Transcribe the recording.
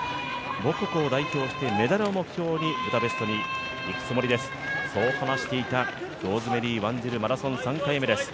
母国を代表してメダルを目標にブダペストへ行くつもりです、そう話していたローズメリー・ワンジル、マラソン３回目です。